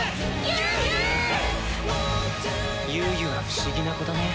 ユウユは不思議な子だね。